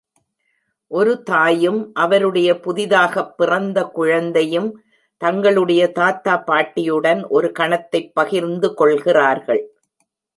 ஒரு தாயும் அவருடைய புதிதாகப் பிறந்த குழந்தையும் தங்களுடைய தாத்தா, பாட்டியுடன் ஒரு கணத்தைப் பகிர்ந்துகொள்கிறார்கள்.